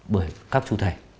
bởi các chủ thể